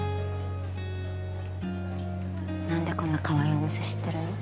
何でこんなかわいいお店知ってるの？